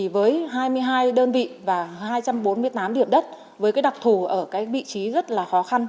với hai mươi hai đơn vị và hai trăm bốn mươi tám điểm đất với đặc thù ở vị trí rất là khó khăn